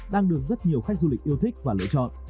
đang được rất nhiều khách du lịch yêu thích và lựa chọn